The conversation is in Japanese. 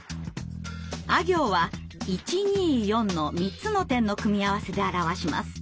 「あ行」は１２４の３つの点の組み合わせで表します。